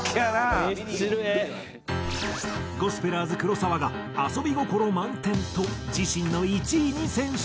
ゴスペラーズ黒沢が「遊び心満点」と自身の１位に選出。